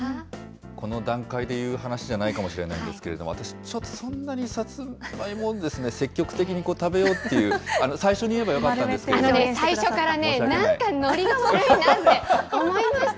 この段階で言う話じゃないかもしれないんですが、私、ちょっとそんなにさつまいも、積極的に食べようっていう、最初に言えばよかったんですけど、最初からね、なんかノリが悪いなって思いました。